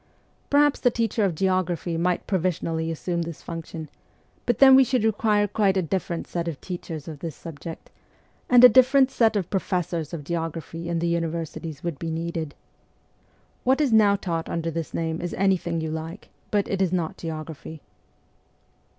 Perhaps the teacher of geography might provisionally assume this function ; but then we should require quite a different set of teachers of this subject, and a different set of professors of geography in the universities would be needed. What is now taught under this name is anything you like, but it is not geography.